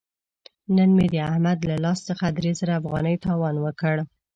نن مې د احمد له لاس څخه درې زره افغانۍ تاوان وکړ.